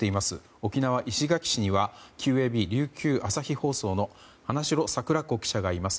沖縄・石垣市にはＱＡＢ琉球朝日放送の花城桜子記者がいます。